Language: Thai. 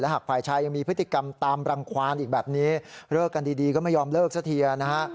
หากฝ่ายชายยังมีพฤติกรรมตามรังความอีกแบบนี้เลิกกันดีก็ไม่ยอมเลิกซะทีนะฮะ